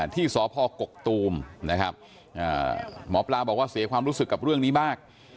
ที่สพกกตูมนะครับหมอปลาบอกว่าเสียความรู้สึกกับเรื่องนี้มาก